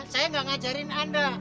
saya enggak ngajarin anda